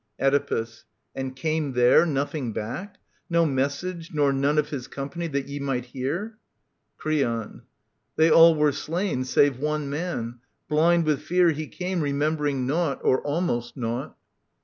Oedipus. / And came there nothing back ? No message, nor None of his company, that ye might hear ? Creon. They all were slain, save one man ; blind with fear He came, remembering naught — or almost naught.